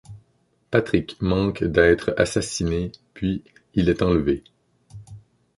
Patrick manque d'être assassiné puis il est enlevé.